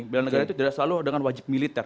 bela negara itu tidak selalu dengan wajib militer